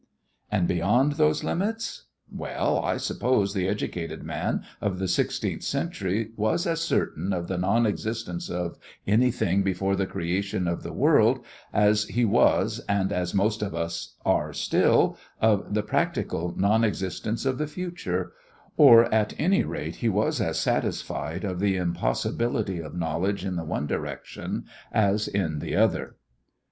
And beyond those limits ? Well, I suppose the educated man of the sixteenth century was as certain of the non existence of anything before the creation of the world as he was, and as most of us are still, of the practical non existence of the future, or at any rate he was as satisfied of the impossibility of knowledge in the one direction as in the other.